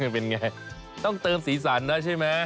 เป็นอย่างไรต้องเติมสีสันนะใช่ไหม